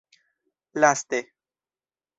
Laste.